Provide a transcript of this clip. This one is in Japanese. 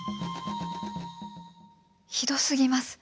ひどすぎます！